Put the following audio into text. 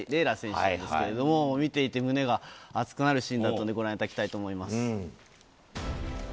楽選手なんですけど、見ていて胸が熱くなるシーンだったんで、ご覧いただきたいと思います。